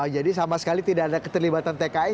jadi sama sekali tidak ada keterlibatan tkn